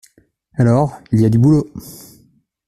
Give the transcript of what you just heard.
Alors, il y a du boulot!